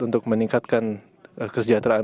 untuk meningkatkan kesejahteraan